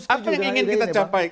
apa yang ingin kita capai